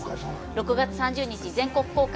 ６月３０日全国公開。